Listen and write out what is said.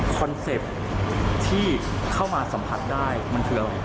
คอนเซปต์ที่เข้ามาสัมผัสได้มันเฉียว